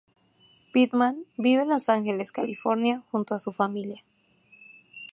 Pittman vive en Los Ángeles, California junto a su familia.